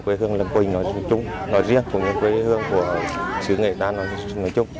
quê hương lâm quỳnh nói riêng cũng như quê hương của sứ nghệ ta nói chung